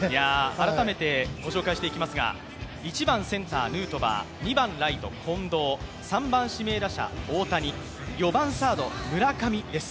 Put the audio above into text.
改めてご紹介していきますが１番センター・ヌートバー２番ライト・近藤、３番・指名打者、大谷、４番サード・村上です。